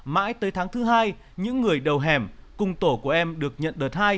mãi tới tháng thứ hai những người đầu hẻm cùng tổ của em được nhận đợt hai